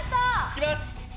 いきます。